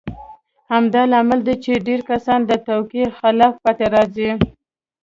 همدا لامل دی چې ډېر کسان د توقع خلاف پاتې راځي.